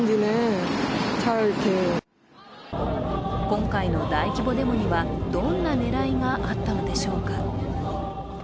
今回の大規模デモには、どんな狙いがあったのでしょうか。